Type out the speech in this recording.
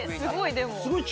でも。